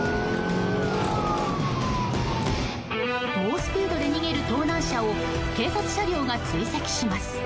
猛スピードで逃げる盗難車を警察車両が追跡します。